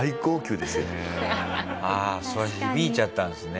ああ響いちゃったんですね。